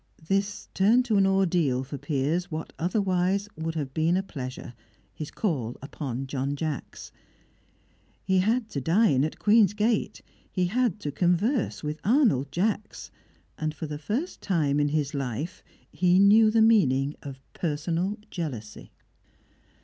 This turned to an ordeal for Piers what would otherwise have been a pleasure, his call upon John Jacks. He had to dine at Queen's Gate; he had to converse with Arnold Jacks; and for the first time in his life he knew the meaning of personal jealousy.